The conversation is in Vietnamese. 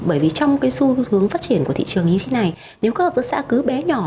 bởi vì trong cái xu hướng phát triển của thị trường như thế này nếu các hợp tác xã cứ bé nhỏ